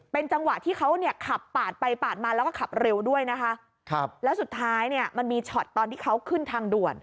เป็นจังหวะที่เขาเนี่ยขับปาดไปปาดมาแล้วก็ขับเร็วด้วยนะคะครับแล้วสุดท้ายเนี่ยมันมีช็อตตอนที่เขาขึ้นทางด่วน